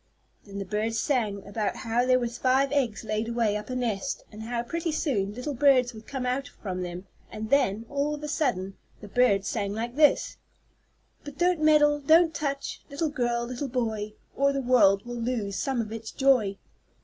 Then the bird sang about how there were five eggs laid away up in a nest, and how, pretty soon, little birds would come out from them, and then, all of a sudden, the bird sang like this: "But don't meddle, don't touch, Little girl little boy, Or the world will lose some of its joy!"